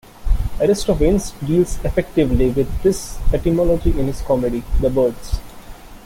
Aristophanes deals effectively with this etymology in his comedy "The Birds".